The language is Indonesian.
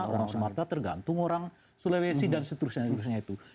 orang sumatera tergantung orang sulawesi dan seterusnya seterusnya itu